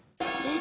え？